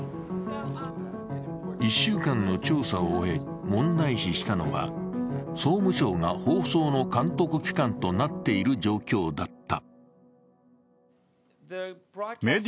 １週間の調査を終え、問題視したのは総務省が放送の監督機関となっている状況だった。